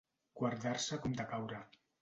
Guardar-se com de caure.